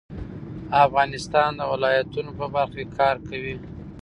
افغانستان د ولایتونو په برخه کې کار کوي.